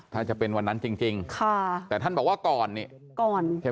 ถ้าจะเป็นวันนั้นจริงแต่ท่านบอกว่าก่อนเนี่ย